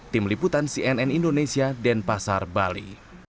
tim liputan cnn indonesia dan pasar bali